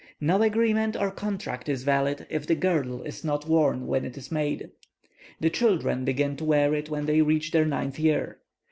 No agreement or contract is valid if the girdle is not worn when it is made. The children begin to wear it when they reach their ninth year.